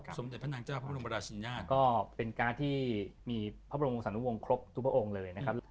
สมเด็จพระนางเจ้าพระบรมราชิน่าก็เป็นการ์ดที่มีพระบรมวงศานุวงศ์ครบทุกพระองค์เลยนะครับ